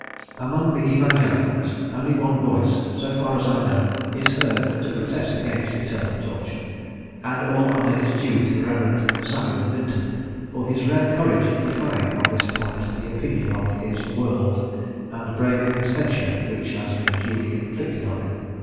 Among the evangelicals, only one voice, so far as I know, is heard to protest against eternal torture; and all honour is due to the Rev. Samuel Minton, for his rare courage in defying on this point the opinion of his "world," and braving the censure which has been duly inflicted on him.